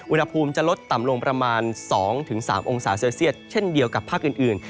อุณหภูมิจะลดต่ำลงประมาณ๒๓องศาเซลเซียตเช่นเดียวกับภาคอื่น